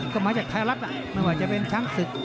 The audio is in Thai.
ก็มาจากไทยรัฐไม่ว่าจะเป็นช้างศึก